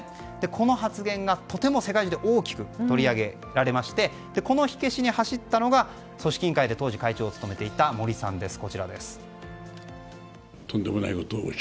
この発言がとても世界中で大きく取り上げられてこの火消しに走ったのが組織委員会で当時会長を務めていた森さんです。